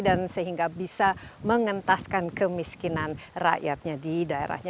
dan sehingga bisa mengentaskan kemiskinan rakyatnya